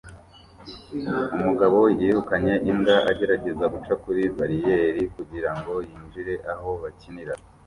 Umugabo yirukanye imbwa agerageza guca kuri bariyeri kugirango yinjire aho bakinira